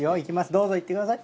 どうぞいってください。